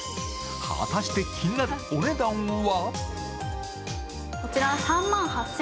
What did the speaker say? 果たして気になるお値段は？